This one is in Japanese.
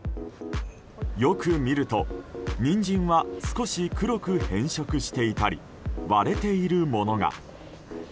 よく見ると、ニンジンは少し黒く変色していたり割れているものが。